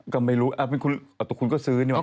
ก็ไม่รู้เอ้ะคุณก็ซื้อนี่มา